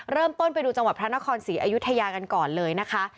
ไปดูจังหวัดพระนครศรีอยุธยากันก่อนเลยนะคะ